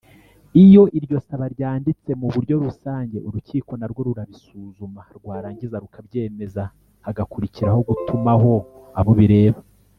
Iyo iryo Saba ryanditse mu buryo rusange urukiko narwo rurabisuzuma rwarangiza rukabyemeza hagakurikiraho gutumaho abo bireba.